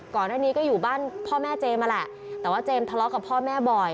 ก่อนหน้านี้ก็อยู่บ้านพ่อแม่เจมส์มาแหละแต่ว่าเจมส์ทะเลาะกับพ่อแม่บ่อย